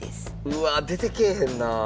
うわあ出てけえへんなあ。